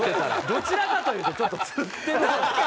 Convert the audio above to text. どちらかといえばちょっとつってるぞ。